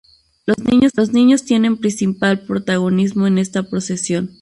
Los niños tienen principal protagonismo en esta procesión.